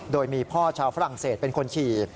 โดยมีพ่อชาวฝรั่งเศสเป็นคนขี่